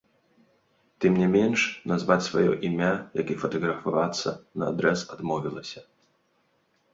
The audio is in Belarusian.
Тым не менш, назваць сваё імя, як і фатаграфавацца, наадрэз адмовілася.